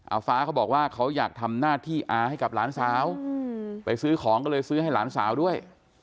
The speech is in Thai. ฟ้าเขาบอกว่าเขาอยากทำหน้าที่อาให้กับหลานสาวไปซื้อของก็เลยซื้อให้หลานสาวด้วย